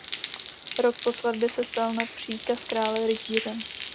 Rok po svatbě se stal na příkaz krále rytířem.